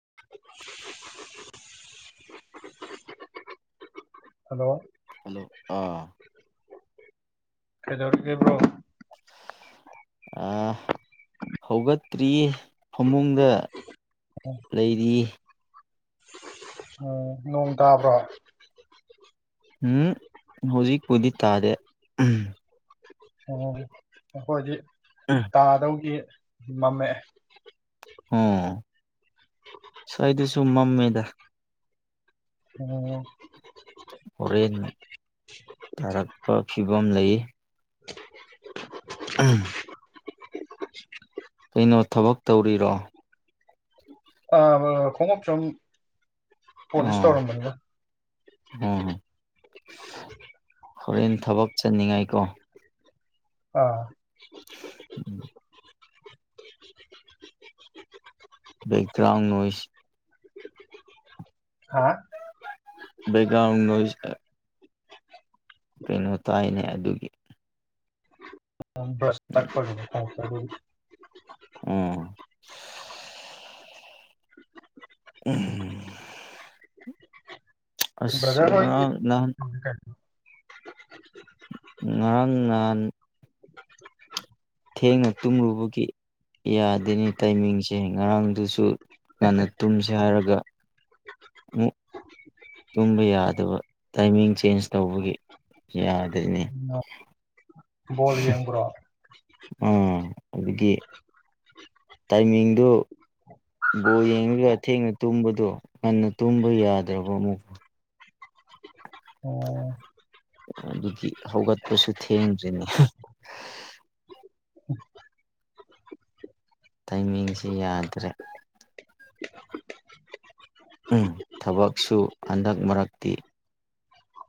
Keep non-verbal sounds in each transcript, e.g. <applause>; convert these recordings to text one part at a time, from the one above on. <inaudible> hello hello ꯑꯥ ꯀꯩꯗꯧꯔꯤꯒꯦ bro ꯑ ꯍꯧꯒꯠꯇ꯭ꯔꯤ ꯐꯃꯨꯡꯗ ꯂꯩꯔꯤ ꯎꯝ ꯅꯣꯡ ꯇꯥꯕ꯭ꯔꯣ ꯎꯝ ꯍꯧꯖꯤꯛꯄꯨꯗꯤ ꯇꯥꯗꯦ ꯎꯝ ꯑꯩꯈꯣꯏꯗꯤ ꯇꯥꯗꯧꯒꯤ ꯃꯝꯃꯛꯑꯦ ꯑꯣ ꯁ꯭ꯋꯥꯢꯗꯁꯨꯨ ꯃꯝꯃꯦꯗ ꯑꯣ ꯍꯣꯔꯦꯟ ꯇꯥꯔꯛꯄ ꯐꯤꯕꯝ ꯂꯩ <inaudible> ꯑꯥ ꯀꯩꯅꯣ ꯊꯕꯛ ꯇꯧꯔꯤꯔꯣ ꯑ ꯈꯣꯡꯎꯞ ꯁꯨꯝ ꯄꯣꯂꯤꯁ ꯇꯧꯔꯝꯕꯅꯤꯗ ꯑꯣ ꯍꯣꯔꯦꯟ ꯊꯕꯛ ꯆꯠꯅꯤꯉꯥꯏꯀꯣ ꯑꯥ <inaudible> ꯕꯦꯛꯒ꯭ꯔꯥꯎꯟ ꯅꯣꯢꯁ ꯍꯥꯥ ꯕꯦꯛꯒ꯭ꯔꯥꯎꯟ ꯅꯣꯢꯁ ꯇ ꯀꯩꯅꯣ ꯇꯥꯏꯅꯦ ꯑꯗꯨꯒꯤ ꯕ꯭ꯔꯁ ꯇꯛꯄ <inaudible> ꯑꯗꯨꯒꯤ ꯑꯣ <inaudible> ꯑꯁ ꯕ꯭ꯔꯗꯔ ꯍꯣꯢꯗꯤ ꯉꯔꯥꯡ ꯅꯍꯥꯟ <unintelligible> ꯉꯔꯥꯡ ꯅꯍꯥꯟ ꯊꯦꯡꯅ ꯇꯨꯝꯂꯨꯕꯒꯤ ꯌꯥꯗꯦꯅꯦ ꯇꯥꯏꯃꯤꯡꯁꯦ ꯉꯔꯥꯡꯗꯨꯁꯨ ꯉꯟꯅ ꯇꯨꯝꯁꯦ ꯍꯥꯏꯔꯒ ꯑꯃꯨꯛ ꯇꯨꯝꯕ ꯌꯥꯗꯕ ꯇꯥꯏꯃꯤꯡ ꯆꯦꯟꯖ ꯇꯧꯕꯒꯤ ꯌꯥꯗꯦꯅꯦ ꯕꯣꯜ ꯌꯦꯡꯕ꯭ꯔꯣ ꯑꯣ ꯑꯗꯨꯒꯤ ꯇꯥꯏꯃꯤꯡꯗꯨ ꯕꯣꯜ ꯌꯦꯡꯉꯒ ꯊꯦꯡꯅ ꯇꯨꯝꯕꯗꯣ ꯉꯟꯅ ꯇꯨꯝꯕ ꯌꯥꯗꯦꯕ ꯑꯃꯨꯛ ꯑꯣ ꯑꯗꯨꯒꯤ ꯍꯧꯒꯠꯄꯁꯨ ꯊꯦꯡꯗ꯭ꯔꯤꯅꯤ ꯇꯥꯏꯃꯤꯡꯁꯤ ꯌꯥꯗ꯭ꯔꯦ ꯎꯝ ꯊꯕꯛꯁꯨ ꯍꯟꯗꯛ ꯃꯔꯛꯇꯤ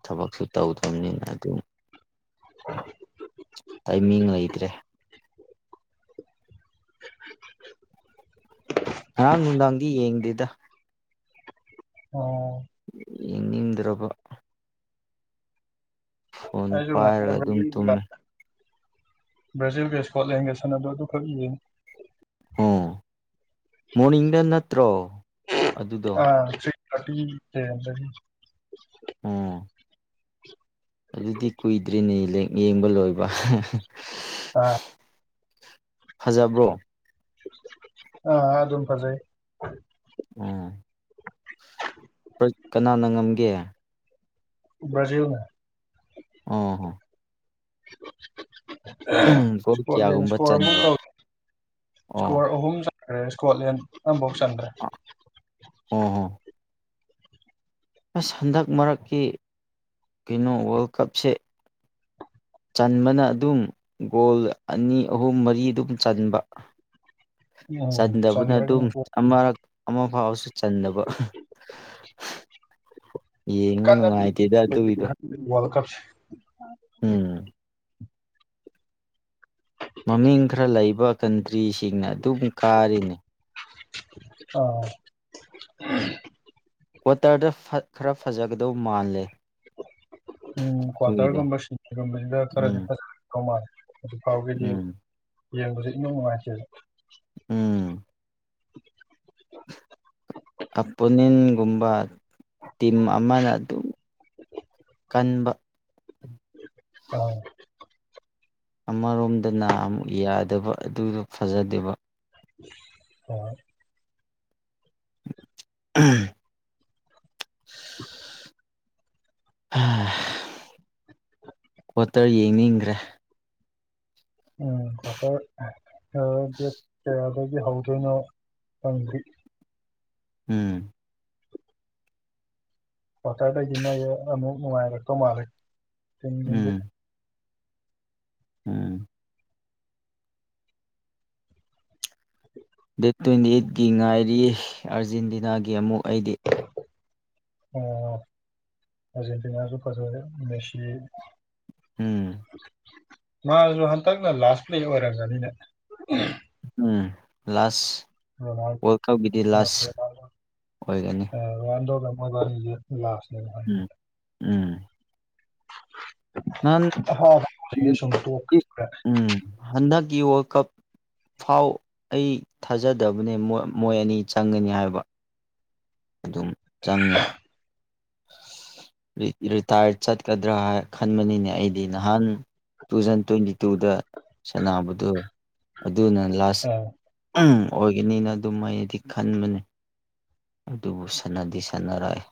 ꯊꯕꯛꯁꯨ ꯇꯧꯗꯝꯅꯤꯅ ꯑꯗꯨ ꯇꯥꯏꯃꯤꯡ ꯂꯩꯇ꯭ꯔꯦ ꯉꯔꯥꯡ ꯅꯨꯡꯗꯥꯡꯗꯤ ꯌꯦꯡꯗꯦꯗ ꯑꯣ ꯌꯦꯡꯅꯤꯡꯗ꯭ꯔꯕ ꯐꯣꯟ ꯑꯩꯁꯨ ꯉꯁꯥꯏ ꯄꯥꯏꯔꯒ ꯑꯗꯨꯝ ꯕ꯭ꯔꯥꯖꯤꯜꯒ ꯇꯨꯝꯃꯦ ꯕ꯭ꯔꯥꯖꯤꯜꯒ ꯁ꯭ꯀꯣꯠꯂꯦꯟꯒ ꯁꯥꯟꯅꯕꯗꯣ ꯑꯗꯨꯈꯛ ꯌꯦꯉꯤ ꯑꯣ ꯃꯣꯔꯅꯤꯡꯗ ꯅꯠꯇ꯭ꯔꯣ ꯑ ꯑꯗꯨꯗꯣ ꯁꯤꯁ ꯊ꯭ꯔꯇꯤ ꯇꯦꯟꯗꯒꯤ ꯎꯝ ꯑꯗꯨꯗꯤ ꯀꯨꯏꯗ꯭ꯔꯤꯅꯦ ꯌꯦꯡꯕ ꯂꯣꯏꯕ ꯑꯥ ꯐꯖꯕ꯭ꯔꯣ ꯑ ꯑ ꯑꯗꯨꯃ ꯐꯖꯩ ꯑꯝ ꯀꯅꯥꯅ ꯉꯝꯒꯦ ꯕ꯭ꯔꯥꯖꯤꯜꯅ ꯑ ꯍ ꯒꯣꯜ ꯏꯁꯀꯣꯔꯦꯜꯁ ꯀꯌꯥꯒꯨꯝꯕ ꯏꯁꯀꯣꯔ ꯑꯃꯨꯛ ꯆꯟꯕ꯭ꯔꯣ ꯇꯧꯔꯛꯀꯦ ꯑꯣ ꯏꯁꯀꯣꯔ ꯑꯍꯨꯝ ꯆꯟꯈ꯭ꯔꯦ ꯏꯁꯀꯣꯠꯂꯦꯟ ꯑꯃꯐꯧ ꯆꯟꯈ꯭ꯔꯦ ꯑꯣ ꯍꯣ ꯑꯁ ꯍꯟꯗꯛ ꯃꯔꯛꯀꯤ ꯀꯩꯅꯣ ꯋꯥꯔꯜ ꯀꯞꯁꯦ ꯆꯟꯕꯅ ꯑꯗꯨꯝ ꯒꯣꯜ ꯑꯅꯤ ꯑꯍꯨꯝ ꯃꯔꯤ ꯑꯗꯨꯝ ꯆꯟꯕ <inaudible> ꯎꯝ ꯆꯟꯗꯕꯅ ꯑꯗꯨꯝ ꯆꯟꯗ꯭ꯔꯒꯅ ꯑꯃꯛ ꯑꯃꯨ ꯍꯥꯎꯁꯨ ꯆꯟꯗꯕ ꯌꯦꯡꯃꯥ ꯅꯨꯡꯉꯥꯏꯇꯦꯗ ꯑꯗꯨꯒꯤꯗꯣ ꯋꯥꯔꯜꯡ ꯀꯞꯁ ꯁꯦ ꯎꯝ ꯃꯃꯤꯡ ꯈꯔ ꯂꯩꯕ ꯀꯟꯇ꯭ꯔꯤꯁꯤꯡꯅ ꯑꯗꯨꯝ ꯀꯥꯔꯤꯅꯤ ꯑꯥ ꯀ꯭ꯋꯥꯇꯔꯗ ꯈꯔ ꯐꯖꯒꯗꯧ ꯃꯥꯜꯂꯦ ꯎꯝ ꯑꯗꯨꯒꯤꯗꯣ ꯀ꯭ꯋꯥꯇꯔꯒꯨꯝꯕ ꯁꯤꯇꯤꯒꯨꯝꯕꯁꯤꯗ ꯈꯔꯗꯤ ꯎꯝ ꯐꯖꯧ ꯃꯥꯜꯂꯦ ꯑꯗꯨ ꯐꯥꯎꯒꯤꯗꯤ ꯎꯝ ꯌꯦꯡꯕꯁꯦ ꯏꯅꯨꯡ ꯅꯨꯡꯉꯥꯏꯇꯦ ꯎꯝ <inaudible> ꯑꯄꯣꯅꯤꯟꯒꯨꯝꯕ ꯇꯤꯝ ꯑꯃꯅ ꯑꯗꯨꯝ ꯀꯟꯕ ꯑꯥ ꯑꯃꯔꯣꯝꯗꯅ ꯑꯃꯨꯛ ꯌꯥꯗꯕ ꯑꯗꯨꯗꯣ ꯐꯖꯗꯦꯕ ꯑꯣ ꯎꯝ ꯑꯝ ꯀ꯭ꯇꯔ ꯌꯦꯡꯅꯤꯡꯈ꯭ꯔꯦ ꯎꯝ ꯀ꯭ꯋꯥꯇꯔ ꯑꯗꯒꯤ ꯍꯧꯗꯣꯏꯅꯣ ꯈꯪꯗ꯭ꯔꯤ ꯎꯝ ꯀꯋꯥꯇ꯭ꯔꯗꯩꯗꯤ ꯅꯣꯏ ꯑꯃꯨꯛ ꯅꯨꯉꯥꯏꯔꯛꯇꯧ ꯃꯥꯜꯂꯦ ꯇꯤꯝꯁꯤꯡꯗꯤ ꯎꯝ ꯎꯝ ꯗꯦꯠ ꯇ꯭ꯋꯦꯟꯇꯤ ꯑꯩꯠꯀꯤ ꯉꯥꯏꯔꯤ ꯑꯥꯔꯖꯦꯟꯇꯤꯅꯥꯒꯤ ꯑꯃꯨꯛ ꯑꯩꯗꯤ ꯇꯤꯅꯥꯁꯨ ꯐꯖꯥꯔꯦ ꯃꯦꯁꯤ ꯎꯝ ꯃꯥꯁꯨ ꯍꯟꯇꯛꯅ ꯂꯥꯁ ꯄ꯭ꯂꯦ ꯑꯣꯏꯔꯝꯒꯅꯤꯅ ꯎꯝ ꯂꯥꯁ ꯔꯣꯅꯥꯜ ꯋꯥꯔꯜ ꯀꯞꯀꯤꯗꯤ ꯑꯥ ꯂꯥꯁ ꯑꯣꯏꯔꯅꯤ ꯃꯥ ꯂꯥꯁ ꯎꯝ ꯎꯝ ꯅꯍꯥꯟ <unintelligible> ꯍꯟꯗꯛꯒꯤ ꯋꯥꯔꯜ ꯀꯞ ꯐꯥꯎ ꯑꯩ ꯊꯥꯖꯗꯕꯅꯦ ꯃꯣꯏ ꯑꯅꯤ ꯆꯪꯒꯅꯤ ꯍꯥꯏꯕ ꯑꯗꯨꯝ ꯆꯪꯉꯦ <inaudible> ꯔꯤꯇꯥꯌꯔꯠ ꯆꯠꯀꯗ꯭ꯔꯥ ꯈꯟꯕꯅꯤꯅꯦ ꯑꯩꯗꯤ ꯅꯍꯥꯟ ꯇꯨ ꯊꯥꯎꯖꯟ ꯇ꯭ꯋꯦꯟꯇꯤ ꯇꯨꯗ ꯁꯥꯟꯅꯕꯗꯣ ꯑꯗꯨꯅ ꯂꯥꯁ ꯑꯣꯏꯒꯅꯤꯅ ꯑꯗꯨꯝ ꯑꯩꯗꯤ ꯈꯟꯕꯅꯤ ꯑꯗꯨꯕꯨ ꯁꯥꯟꯅꯗꯤ ꯁꯥꯟꯅꯔꯛꯑꯦ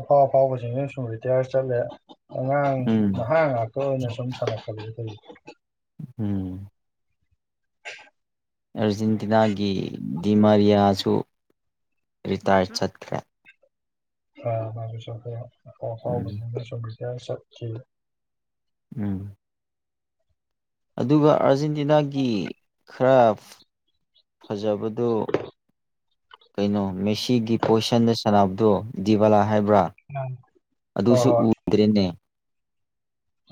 ꯑꯐꯥꯎ ꯑꯐꯥꯎꯕꯁꯤꯡꯁꯤꯅ ꯁꯨꯝ ꯔꯤꯇꯥꯌꯔ ꯆꯠꯂꯦ ꯑꯉꯥꯡ ꯎꯝ ꯅꯍꯥ ꯉꯥꯛꯇ ꯑꯣꯏꯅ ꯁꯨꯝ ꯇꯧꯔꯛꯄꯁꯤꯗꯤ ꯎꯝ ꯑꯥꯔꯖꯦꯟꯇꯤꯅꯥꯒꯤ ꯗꯤꯃꯥꯔꯤꯌꯥꯁꯨ ꯔꯤꯇꯥꯌꯔ ꯆꯠꯈ꯭ꯔꯦ ꯎꯝ <unintelligible> ꯎꯝ ꯑꯗꯨꯒ ꯑꯥꯔꯖꯦꯟꯇꯤꯅꯥꯒꯤ ꯈꯔꯞ ꯐꯖꯕꯗꯣ ꯀꯩꯅꯣ ꯃꯦꯁꯤꯒꯤ ꯄꯣꯖꯤꯁꯟꯗ ꯁꯅꯕꯗꯨ ꯗꯤꯕꯂꯥ ꯍꯥꯏꯕ꯭ꯔꯥ ꯍꯣꯏ ꯑꯗꯨꯁꯨ ꯍꯣꯏ ꯎꯗ꯭ꯔꯦꯅꯦ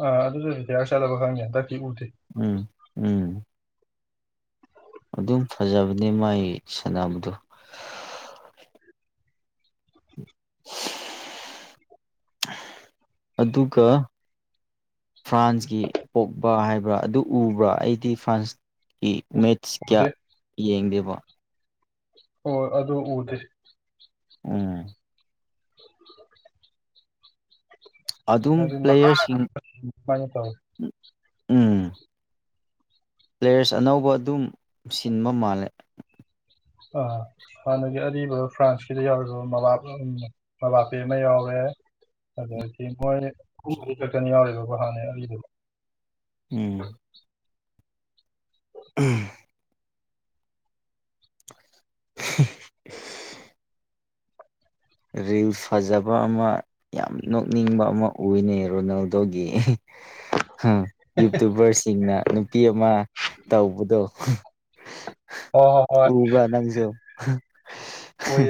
ꯑꯥ ꯑꯗꯨꯁꯨ ꯔꯤꯇꯥꯌꯔ ꯆꯥꯠꯂꯕꯔ ꯈꯪꯗꯦ ꯍꯟꯗꯛꯇꯤ ꯎꯗꯦ ꯎꯝ ꯎꯝ ꯑꯗꯨꯝ ꯐꯖꯕꯅꯦ ꯃꯥꯏ ꯁꯥꯟꯅꯕꯗꯨ <inaudible> ꯑꯗꯨꯒ ꯐ꯭ꯔꯥꯟꯁꯀꯤ ꯄꯣꯛꯄ ꯍꯥꯏꯕ꯭ꯔꯥ ꯑꯗꯨ ꯎꯕ꯭ꯔꯥ ꯑꯩꯗꯤ ꯐ꯭ꯔꯥꯟꯁ ꯑꯩ ꯃꯦꯠꯁ ꯀꯌꯥ ꯎꯗꯦ ꯌꯦꯡꯗꯦꯕ ꯍꯣꯏ ꯑꯗꯨ ꯎꯗꯦ ꯎꯝ ꯑꯗꯨꯝ ꯍꯥꯏꯗꯤ ꯅꯍꯥꯟ ꯄ꯭ꯂꯦꯌꯔꯁꯤꯡ ꯑꯗꯨꯃꯥꯏꯅ ꯇꯧꯋꯤ ꯎꯝ ꯄ꯭ꯂꯦꯌꯔꯁ ꯑꯅꯧꯕ ꯑꯗꯨꯝ ꯁꯤꯟꯕ ꯃꯥꯜꯂꯦ ꯑꯥ ꯍꯥꯟꯅꯒꯤ ꯑꯔꯤꯕ ꯐ꯭ꯔꯥꯟꯁꯀꯤꯗ ꯌꯥꯎꯔꯤꯕ ꯃꯕꯥꯄ ꯃꯕꯥꯄꯦ ꯑꯃ ꯌꯥꯎꯔꯦ ꯑꯗꯒꯤ ꯃꯣꯏ ꯑꯍꯨꯝ ꯃꯔꯤ ꯈꯛꯇꯅꯤ ꯌꯥꯎꯔꯤꯕꯕꯣ ꯍꯥꯟꯅꯩ ꯑꯔꯤꯕꯕꯨ ꯎꯝ ꯎꯝ <unintelligible> ꯔꯤꯜ ꯐꯖꯕ ꯑꯃ ꯌꯥꯝ ꯅꯣꯛꯅꯤꯡꯕ ꯑꯃ ꯎꯏꯅꯦ ꯔꯣꯅꯥꯜꯗꯣꯒꯤ <inaudible> ꯌꯨꯇꯨꯕꯔꯁꯤꯡꯅ ꯅꯨꯄꯤ ꯑꯃ ꯇꯧꯕꯗꯣ ꯍꯣꯏ ꯍꯣꯏ ꯍꯣꯏ ꯎꯕ꯭ꯔꯥ ꯅꯪꯖꯨ ꯍꯥ ꯍꯥ ꯍꯥ ꯎꯏ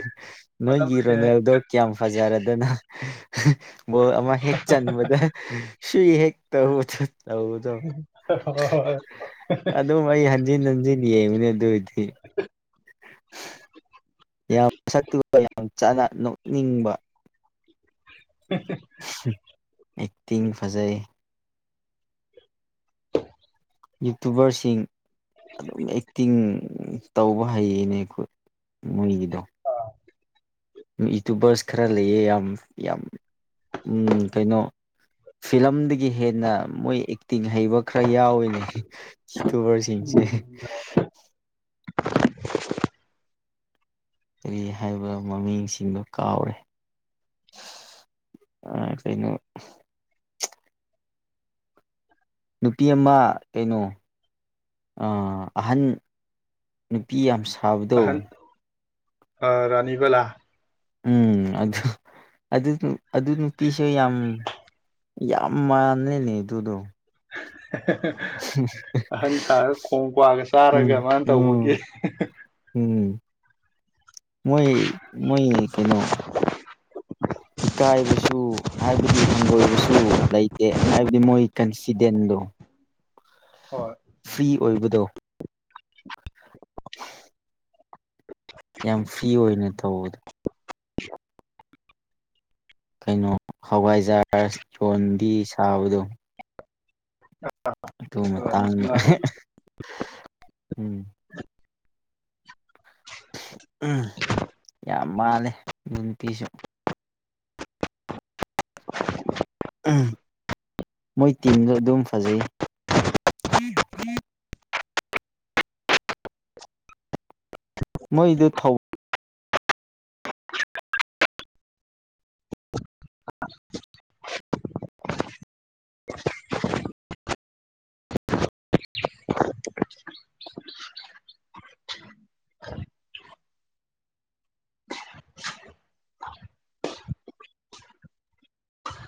ꯃꯇꯝ ꯅꯣꯏꯒꯤ ꯂꯩꯔꯤꯉꯩ ꯔꯣꯅꯦꯜꯗꯣ ꯀꯌꯥꯝ ꯐꯖꯔꯗꯅ ꯕꯣꯜ ꯑꯃ ꯍꯦꯛ ꯆꯟꯕꯗ ꯁꯨꯏ ꯍꯦꯛ ꯊꯨꯠ ꯇꯧꯕꯗꯣ ꯍꯣꯏ ꯍꯣꯏ ꯍꯣꯏ ꯑꯗꯨꯝ ꯑꯩ ꯍꯟꯖꯤꯟ ꯍꯟꯖꯤꯟ ꯌꯦꯡꯕꯅꯦ ꯑꯗꯨꯏꯗꯤ <inaudible> ꯃꯁꯛꯇꯨꯒ ꯌꯥꯝ ꯆꯥꯅ ꯅꯣꯛꯅꯤꯡꯕ ꯍꯦ ꯍꯦ ꯑꯦꯛꯇꯤꯡ ꯐꯖꯩ ꯌꯨꯇꯨꯕꯔꯁꯤꯡ ꯑꯗꯨꯝ ꯑꯦꯛꯇꯤꯡ ꯎꯝ ꯇꯧꯕ ꯍꯩꯌꯦꯅꯦ ꯃꯣꯏꯒꯤꯗꯣ <inaudible> ꯌꯨꯇꯨꯕꯔꯁ ꯈꯔ ꯂꯩꯌꯦ ꯌꯥꯝ ꯌꯥꯝ ꯎꯝ ꯀꯩꯅꯣ ꯐꯤꯂꯝꯗꯒꯤ ꯍꯦꯟꯅ ꯃꯣꯏ ꯑꯦꯛꯇꯤꯡ ꯍꯩꯕ ꯈꯔ ꯌꯥꯎꯏꯅꯦ ꯌꯨꯇꯨꯕꯔꯁꯤꯡꯁꯦ ꯀꯔꯤ ꯍꯥꯏꯕ ꯃꯃꯤꯡꯁꯤꯡꯗꯣ ꯀꯥꯎꯔꯦ ꯑꯥ ꯀꯩꯅꯣ ꯅꯨꯄꯤ ꯑꯃ ꯀꯩꯅꯣ ꯑ ꯑꯍꯟ ꯅꯨꯄꯤ ꯌꯥꯝ ꯁꯥꯕꯤꯗꯣ ꯑ ꯔꯅꯤꯕꯂꯥ ꯎꯝ ꯑꯗꯨ ꯑꯗꯨ ꯑꯗꯨ ꯅꯨꯄꯤꯁꯨ ꯌꯥꯝ ꯌꯥꯝ ꯃꯥꯂꯦꯅꯦ ꯑꯗꯨꯗꯣ <inaudible> ꯑꯍꯟ ꯁꯥꯔ ꯀꯣꯡ ꯀ꯭ꯋꯥꯒ ꯆꯥꯔꯒ ꯎꯝ ꯃꯥꯅ ꯇꯧꯕꯒꯤ ꯎꯝ <inaudible> ꯎꯝ ꯃꯣꯏ ꯃꯣꯏ ꯀꯩꯅꯣ ꯏꯀꯥꯏꯕꯁꯨ ꯍꯥꯏꯕꯗꯤ ꯍꯪꯒꯣꯏꯕꯁꯨ ꯂꯩꯇꯦ ꯍꯥꯏꯕꯗꯤ ꯃꯣꯏ ꯀꯟꯁꯤꯗꯦꯟꯗꯣ <inaudible> ꯍꯣꯏ ꯐ꯭ꯔꯤ ꯑꯣꯏꯕꯗꯣ ꯌꯥꯝ ꯐ꯭ꯔꯤ ꯑꯣꯏꯅ ꯇꯧꯕꯗꯣ ꯀꯩꯅꯣ ꯍꯋꯥꯏꯖꯥꯔ ꯌꯣꯟꯕꯤ ꯁꯥꯕꯗꯣ ꯑꯗꯨ ꯔꯥꯅꯤ ꯃꯇꯥꯡꯅ ꯕꯂꯥ <inaudible> ꯎꯝ <inaudible> ꯌꯥꯝ ꯃꯥꯜꯂꯦ ꯅꯨꯡꯄꯤꯁꯨ ꯎꯝ ꯃꯣꯏ ꯇꯤꯝꯗꯨ ꯑꯗꯨꯝ ꯐꯖꯩ ꯃꯣꯏꯗꯣ ꯊꯧ <inaudible>